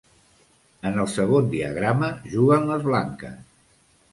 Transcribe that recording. En el segon diagrama, juguen les blanques.